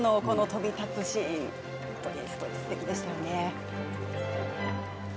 飛び立つシーン、すてきでしたね。